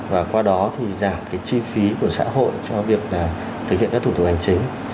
và qua đó giảm chi phí của xã hội cho việc thực hiện các thủ tục hành chính